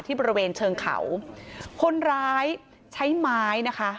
บริเวณเชิงเขาคนร้ายใช้ไม้นะคะ